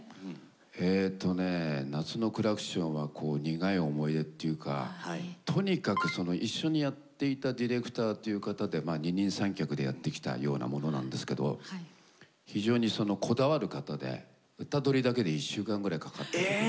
えとね「夏のクラクション」はこう苦い思い出っていうかとにかくその一緒にやっていたディレクターという方でまあ二人三脚でやってきたようなものなんですけど非常にそのこだわる方で歌録りだけで１週間ぐらいかかったことが。